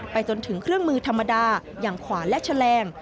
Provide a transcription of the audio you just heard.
จนถึงเครื่องมือธรรมดาอย่างขวาและแฉลง